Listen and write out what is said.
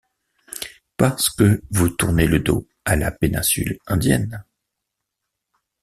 Parce que vous tournez le dos à la péninsule indienne.